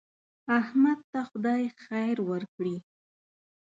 احمد ته خدای خیر ورکړي.